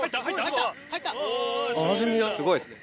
・すごいですね・